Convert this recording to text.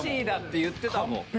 Ｃだって言ってたもん。